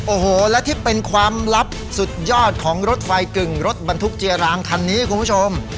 โอ้โหและที่เป็นความลับสุดยอดของรถไฟกึ่งรถบรรทุกเจียรางคันนี้คุณผู้ชม